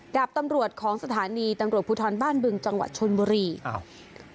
ดาบตำรวจของสถานีตำรวจภูทรบ้านบึงจังหวัดชนบุรีอ้าว